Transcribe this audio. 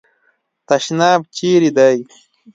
تشناب چیري دی ؟